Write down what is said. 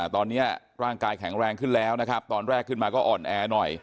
ตอนนี้ร่างกายแข็งแรงขึ้นแล้วนะครับตอนแรกขึ้นมาก็อ่อนแอหน่อย